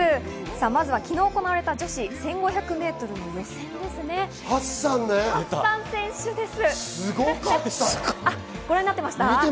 まずは昨日、行われた女子１５００ｍの予選です。